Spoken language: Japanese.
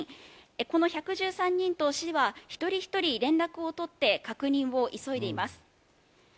この１１３人と市は一人一人連絡を取って確認を急いでいます。